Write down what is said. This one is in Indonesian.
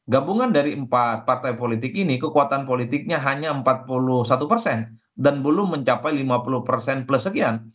gabungan dari empat partai politik ini kekuatan politiknya hanya empat puluh satu persen dan belum mencapai lima puluh persen plus sekian